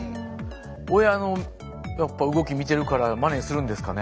親の動き見てるからまねするんですかね。